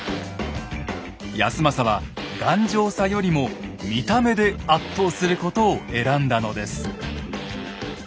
康政は頑丈さよりも見た目で圧倒することを選んだのです。